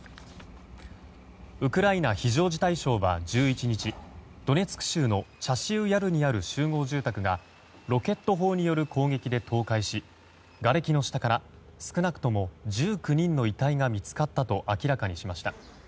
ウクライナ非常事態省は１１日ドネツク州のチャシウ・ヤルにある集合住宅がロケット砲による攻撃で倒壊しがれきの下から、少なくとも１９人の遺体が見つかったと明らかにしました。